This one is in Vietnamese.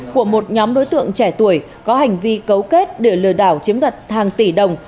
của một nhóm đối tượng trẻ tuổi có hành vi cấu kết để lừa đảo chiếm đoạt hàng tỷ đồng